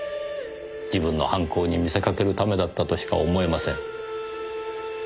自分の犯行に見せかけるためだったとしか思えません。